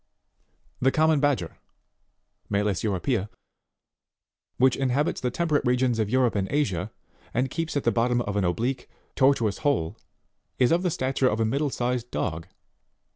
13. The common Badyer, /)/</< Europea which inhabits the temperate regions of Europe and Asia, and keeps at the bottom of an oblique, tortuous hole, is of the stature of a middle sized dog.